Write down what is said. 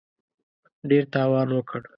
ډېر تاوان وکړ.